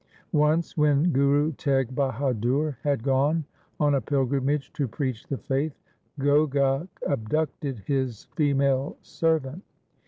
Once when Guru Teg Bahadur had gone on a pilgrimage to preach the faith, Ghogha abducted his female servant.